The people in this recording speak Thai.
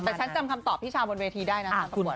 แต่ฉันจำคำตอบพี่ชาวบนเวทีได้นะคะคุณหมอ